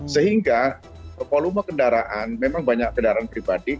sehingga volume kendaraan memang banyak kendaraan pribadi